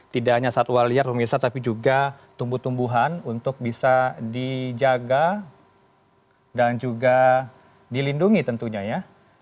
tidak hanya satwa liar pemirsa tapi juga tumbuh tumbuhan untuk bisa dijaga dan juga dilindungi tentunya ya